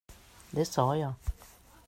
Det sa jag.